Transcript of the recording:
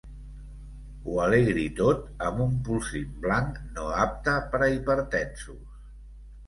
Ho alegri tot amb un polsim blanc no apte per a hipertensos.